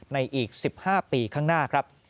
อีก๑๕ปีข้างหน้าครับ